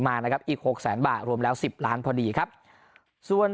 มานะครับอีกหกแสนบาทรวมแล้ว๑๐ล้านพอดีครับส่วน